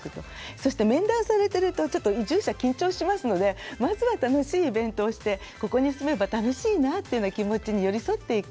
そして、面談されていると移住者、ちょっと緊張しますのでまずは楽しいイベントをしてここに住めば楽しいなというような気持ちに寄り添っていく。